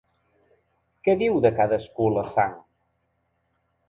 Què diu de cadascú la sang?